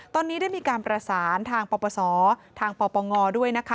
ตอนนี้ได้มีการประสานทางปปศทางปปงด้วยนะคะ